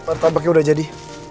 pertabaknya udah jadi